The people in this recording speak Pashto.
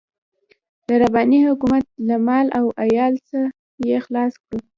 د رباني حکومت له مال او عيال يې خلاص کړو.